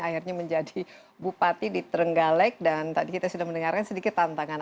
akhirnya menjadi bupati di trenggalek dan tadi kita sudah mendengarkan sedikit tantangan